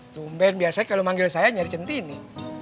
tumben biasanya kalau manggil saya nyari centini